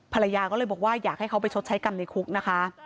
ภรรยาก็เลยบอกว่าอยากให้เขาไปชดใช้กรรมในคุกนะคะ